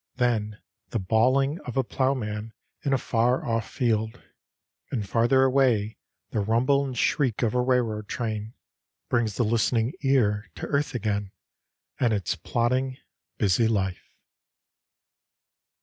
Then the bawling of a ploughman in a far off field and farther away the rumble and shriek of a railroad train brings the listening ear to earth again and its plodding busy life.